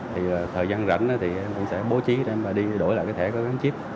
thì thời gian rảnh thì em cũng sẽ bố trí em và đi đổi lại cái thẻ có gắn chip